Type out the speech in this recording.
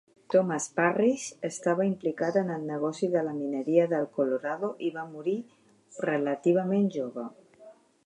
Thomas Parrish estava implicat en el negoci de la mineria del Colorado i va morir relativament jove.